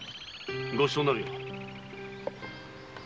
ごちそうになるよ。